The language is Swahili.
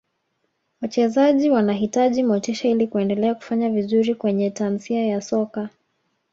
wachezaji wanahitaji motisha ili kuendelea kufanya vizuri kwenye tasnia ya soka